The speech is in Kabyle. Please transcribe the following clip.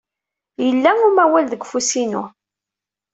Yella umawal deg ufus-inu.